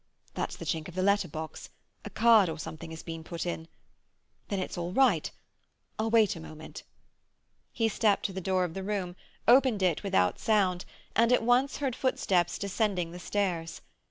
That's the clink of the letter box. A card or something has been put in. Then it's all right. I'll wait a moment." He stepped to the door of the room, opened it without sound, and at once heard footsteps descending the stairs.